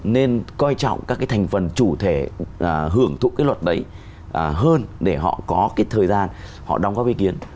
nên coi trọng các cái thành phần chủ thể hưởng thụ cái luật đấy hơn để họ có cái thời gian họ đóng góp ý kiến